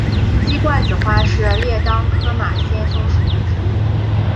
鸡冠子花是列当科马先蒿属的植物。